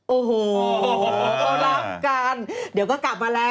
โอ้โหเขารักกันเดี๋ยวก็กลับมาแล้ว